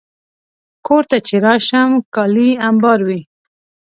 کور ته چې راشم، کالي امبار وي.